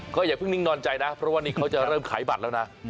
ก็อย่าเพิ่งนิ่งนอนใจนะเพราะว่านี่เขาจะเริ่มขายบัตรแล้วนะ